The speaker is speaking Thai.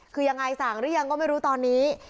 คือยังไงสั่งหรือยังก็ไม่รู้ตอนนี้